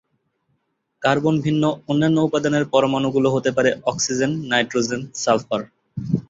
Carbon ভিন্ন অন্যান্য উপাদানের পরমাণু গুলো হতে পারে অক্সিজেন, নাইট্রোজেন, সালফার।